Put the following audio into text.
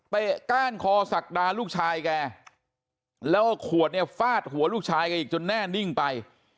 ก้านคอศักดาลูกชายแกแล้วเอาขวดเนี่ยฟาดหัวลูกชายแกอีกจนแน่นิ่งไป